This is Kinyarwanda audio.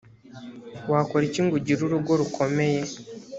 wakora iki ngo ugire urugo rukomeye?